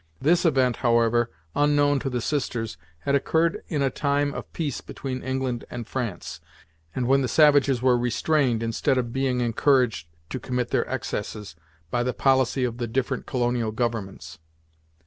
This event, however, unknown to the sisters, had occurred in a time of peace between England and France, and when the savages were restrained, instead of being encouraged to commit their excesses, by the policy of the different colonial governments.